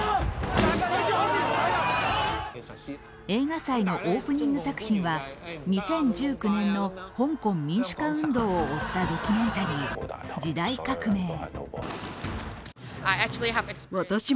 映画祭のオープニング作品は２０１９年の香港民主化運動を追ったドキュメンタリー「時代革命」。